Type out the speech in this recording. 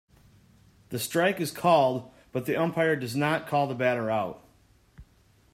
The strike is called, but the umpire does not call the batter out.